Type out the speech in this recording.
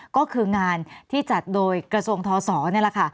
ก็คืองานที่จัดโดยกระทรวงทศนี่แหละค่ะ